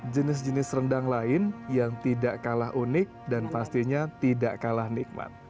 jenis jenis rendang lain yang tidak kalah unik dan pastinya tidak kalah nikmat